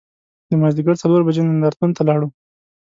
د مازدیګر څلور بجې نندار تون ته لاړو.